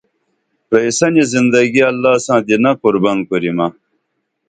پرئی سنی زندگی اللہ ساں دینہ قربن کُریمہ